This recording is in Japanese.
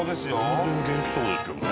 全然元気そうですけどね。